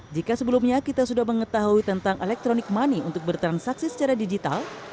jika sebelumnya kita sudah mengetahui tentang electronic money untuk bertransaksi secara digital